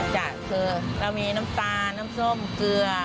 จะคือเรามีน้ำตาลน้ำส้มเกลือ